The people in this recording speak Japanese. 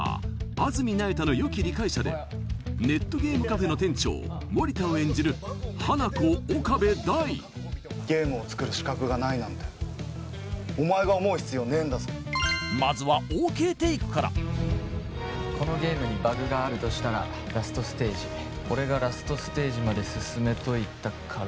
安積那由他のよき理解者でネットゲームカフェの店長森田を演じるハナコ岡部大ゲームを作る資格がないなんてお前が思う必要ねえんだぞまずはＯＫテイクからこのゲームにバグがあるとしたらラストステージ俺がラストステージまで進めといたから